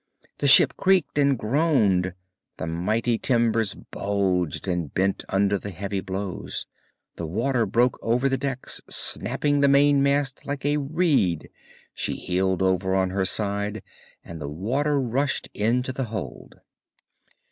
The ship creaked and groaned; the mighty timbers bulged and bent under the heavy blows; the water broke over the decks, snapping the main mast like a reed; she heeled over on her side, and the water rushed into the hold.